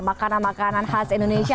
makanan makanan khas indonesia